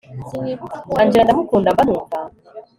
angella ndamukunda mba numva